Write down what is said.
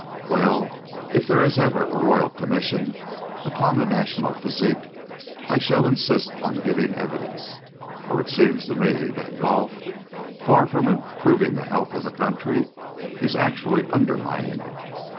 Well, if there is ever a Royal Commission upon the national physique I shall insist on giving evidence. For it seems to me that golf, far from improving the health of the country, is actually undermining it.